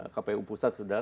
kpu pusat sudah